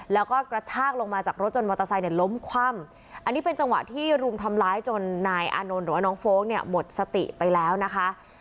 แล้วก็กระชากลงมาจากรถจนมอเตอร์ไซค์เนี่ยล้มคว่ำอันนี้เป็นจังหวะที่รุมทำร้ายจนนายอานนท์หรือว่าน้องโฟลกเนี่ยหมดสติไปแล้วนะคะ